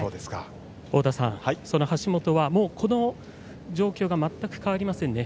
太田さん、橋本はこの状況が全く変わりませんね。